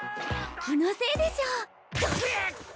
気のせいでしょう。